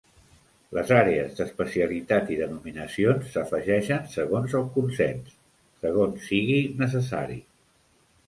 Les àrees d'especialitat i denominacions s'afegeixen segons el consens, segons sigui necessari.